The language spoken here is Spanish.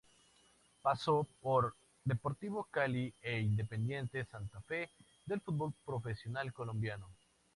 Pasó por Deportivo Cali e Independiente Santa Fe del Fútbol Profesional Colombiano.